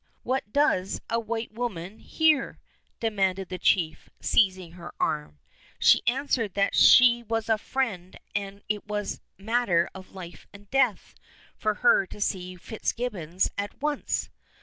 What does a white woman here?" demanded the chief, seizing her arm. She answered that she was a friend and it was matter of life and death for her to see Fitzgibbons at once.